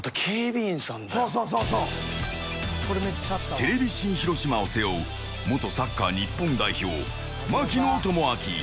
テレビ新広島を背負う元サッカー日本代表槙野智章。